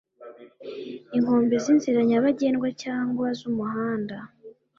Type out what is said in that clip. Inkombe z'inzira nyabagendwa cyangwa z'umuhanda